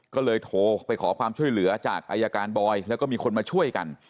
ก็เลยโทรไปขอความช่วยเหลือจากอายการบอยแล้วก็มีคนมาช่วยกัน